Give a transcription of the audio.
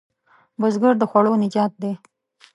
بزګر د خوړو نجات دی